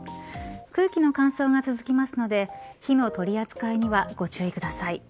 空気の乾燥が続きますので火の取り扱いにはご注意ください。